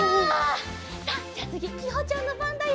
さあじゃあつぎきほちゃんのばんだよ！